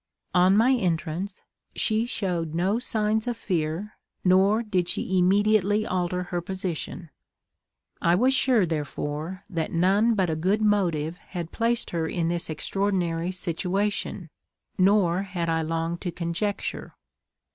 On my entrance she showed no signs of fear, nor did she immediately alter her position. I was sure, therefore, that none but a good motive had placed her in this extraordinary situation, nor had I long to conjecture.